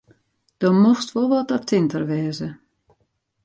Do mochtst wol wat attinter wêze.